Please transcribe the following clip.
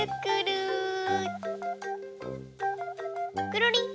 くるりん。